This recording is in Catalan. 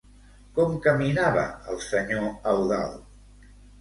Com caminava el senyor Eudald?